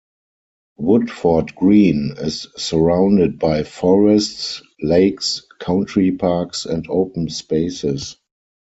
Woodford Green is surrounded by forests, lakes, country parks and open spaces.